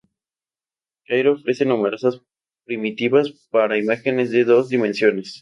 Cairo ofrece numerosas primitivas para imágenes de dos dimensiones.